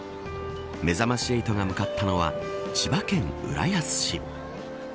めざまし８が向かったのは千葉県、浦安市。